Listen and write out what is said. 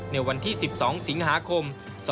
ในวันที่๑๒สิงหาคม๒๕๖